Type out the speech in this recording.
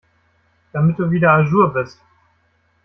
Damit du wieder à jour bist.